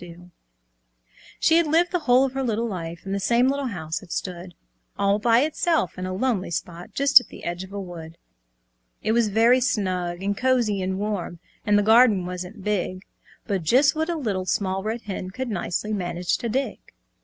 She had lived the whole of her little life, In the same little house; it stood All by itself, in a lonely spot, Just at the edge of a wood. It was very snug and cosy and warm, And the garden wasn't big, But just what a Little Small Red Hen Could nicely manage to dig.